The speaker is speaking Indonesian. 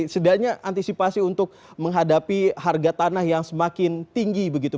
sebenarnya antisipasi untuk menghadapi harga tanah yang semakin tinggi begitu